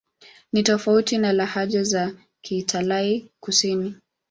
Ni tofauti na lahaja za Kialtai-Kusini.